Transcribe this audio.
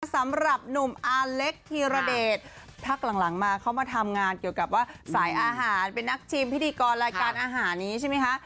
สำหรับหนุ่มอาเล็กธีรเดชพักหลังมาเขามาทำงานเกี่ยวกับว่าสายอาหารเป็นนักชิมพิธีกรรายการอาหารนี้ใช่ไหมคะ